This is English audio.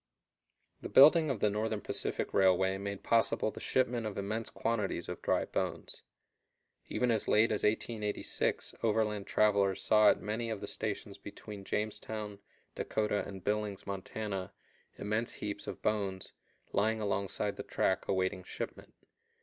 The building of the Northern Pacific Railway made possible the shipment of immense quantities of dry bones. Even as late as 1886 overland travelers saw at many of the stations between Jamestown, Dakota, and Billings, Montana, immense heaps of bones lying alongside the track awaiting shipment.